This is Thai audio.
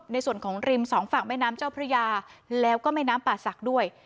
ในส่วนของริมสองฝั่งแม่น้ำเจ้าพระยาแล้วก็แม่น้ำป่าศักดิ์ด้วย